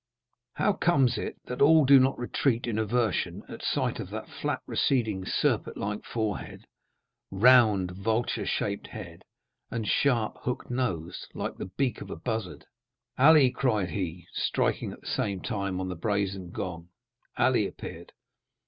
"How comes it that all do not retreat in aversion at sight of that flat, receding, serpent like forehead, round, vulture shaped head, and sharp hooked nose, like the beak of a buzzard? Ali," cried he, striking at the same time on the brazen gong. Ali appeared.